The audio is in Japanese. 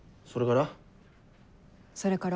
それから？